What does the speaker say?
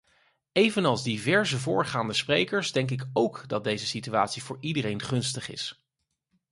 Evenals diverse voorgaande sprekers denk ik ook dat deze situatie voor iedereen gunstig is.